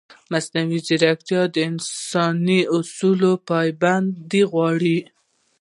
مصنوعي ځیرکتیا د انساني اصولو پابندي غواړي.